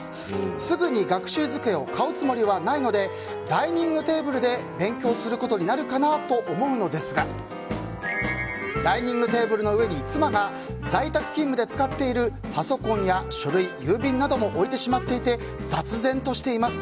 すぐに学習机を買うつもりはないのでダイニングテーブルで勉強することになるかなと思うのですがダイニングテーブルの上に妻が在宅勤務で使っているパソコンや書類、郵便なども置いてしまっていて雑然としています。